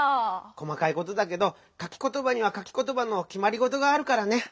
こまかいことだけどかきことばにはかきことばのきまりごとがあるからね。